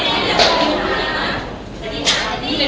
๒คนต่อตรงนี้นะคะ